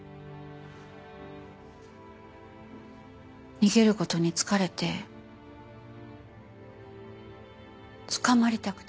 逃げる事に疲れて捕まりたくて。